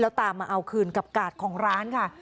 ตามมาเอาคืนกับกาดของร้านค่ะ